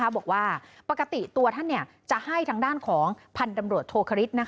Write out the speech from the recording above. บอกว่าปกติตัวท่านจะให้ทางด้านของพันธุ์ตำรวจโทคริส